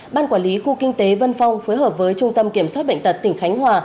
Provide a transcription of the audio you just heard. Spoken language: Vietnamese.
ban quản lý khu kinh tế vân phong phối hợp với trung tâm kiểm soát bệnh tật tỉnh khánh hòa